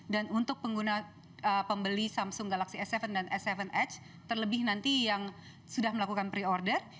dan untuk pengguna pembeli samsung galaxy s tujuh dan s tujuh edge terlebih nanti yang sudah melakukan pre order